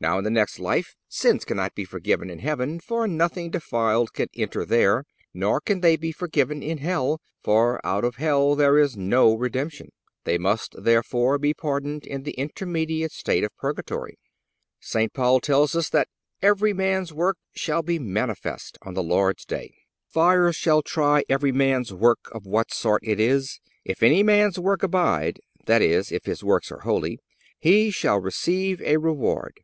Now in the next life, sins cannot be forgiven in heaven, for, nothing defiled can enter there; nor can they be forgiven in hell, for, out of hell there is no redemption. They must, therefore, be pardoned in the intermediate state of Purgatory. St. Paul tells us that "every man's work shall be manifest" on the Lord's day. "The fire shall try every man's work of what sort it is. If any man's work abide," that is, if his works are holy, "he shall receive a reward.